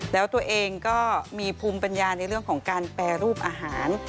แล้วตัวเองก็มีภูมิปัญญาในเรื่องของการแปรรูปอาหาร